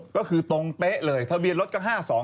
ก็คือตรงเป๊ะเลยทะเบียนรถก็๕๒๒๕เขาก็กลับกัน